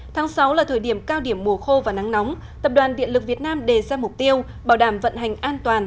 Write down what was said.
tháng sáu là thời điểm cao điểm mùa khô và nắng nóng tập đoàn điện lực việt nam đề ra mục tiêu bảo đảm vận hành an toàn